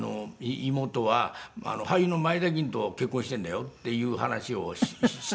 妹は俳優の前田吟と結婚してんだよ」っていう話をして。